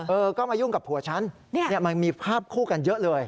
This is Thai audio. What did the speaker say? เออก็มายุ่งกับผัวฉันเนี่ยมันมีภาพคู่กันเยอะเลย